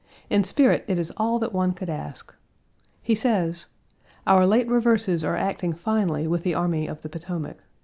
In spirit it is all that one could ask. He says, "Our late reverses are acting finely with the army of the Potomac.